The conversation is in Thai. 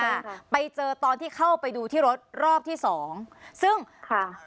ค่ะไปเจอตอนที่เข้าไปดูที่รถรอบที่สองซึ่งค่ะ